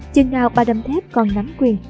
chừng nào bà đâm thép còn nắm quyền